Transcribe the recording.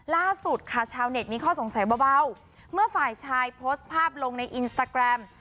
ล่าสุดค่ะชาวเน็ตมีข้อสงสัยเบาเมื่อฝ่ายชายโพสต์ภาพลงในอินสตาแกรม